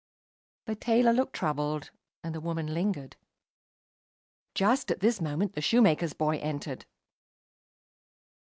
The tailor looked troubled, and the woman lingered. Just at this moment the shoemaker's boy entered.